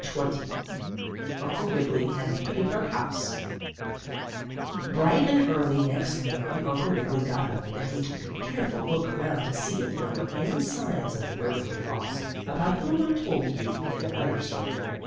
STORY XX UNCLE WIGGILY AND THE PAPER HOUSE Bright and early next morning Uncle Wiggily got up, and he took a careful look around to see if there were any signs of the burglar fox, about whom I told you in another story.